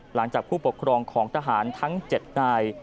หลังจากผู้ปกครองของทหารทั้ง๗นาย